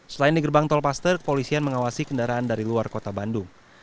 selain di gerbang tolpaster polisian mengawasi kendaraan dari luar kota bandung